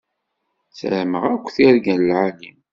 Ssarameɣ-ak tirga n lɛali.